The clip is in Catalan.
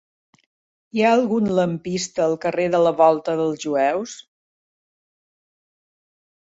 Hi ha algun lampista al carrer de la Volta dels Jueus?